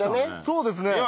そうですね。